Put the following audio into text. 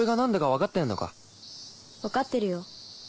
分かってるよ。